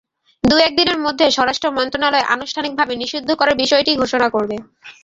দু-এক দিনের মধ্যে স্বরাষ্ট্র মন্ত্রণালয় আনুষ্ঠানিকভাবে নিষিদ্ধ করার বিষয়টি ঘোষণা করবে।